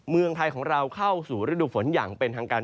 เมืองไทยของเราเข้าสู่ฤดูฝนอย่างเป็นทางการ